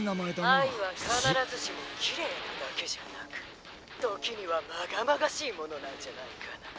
「あいはかならずしもきれいなだけじゃなくときにはまがまがしいものなんじゃないかな」。